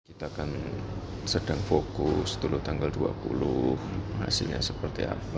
kita kan sedang fokus dulu tanggal dua puluh hasilnya seperti apa